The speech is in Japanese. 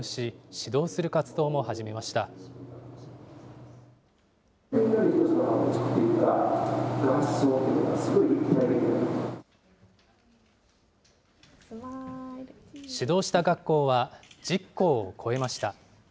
指導した学校は、１０校を超えました。